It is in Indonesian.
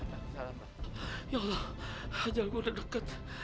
ya allah ajal gue udah dekat